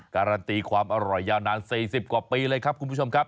การันตีความอร่อยยาวนาน๔๐กว่าปีเลยครับคุณผู้ชมครับ